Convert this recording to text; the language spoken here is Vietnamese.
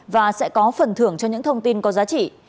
và sẽ có phần thưởng cho những thông tin có giá trị